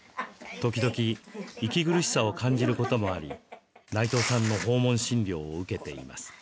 時々、息苦しさを感じることもあり内藤さんの訪問診療を受けています。